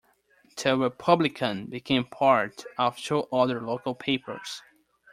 The "Republican" became part of two other local papers.